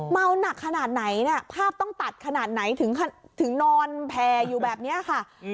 เมาหนักขนาดไหนเนี่ยภาพต้องตัดขนาดไหนถึงนอนแผ่อยู่แบบนี้ค่ะ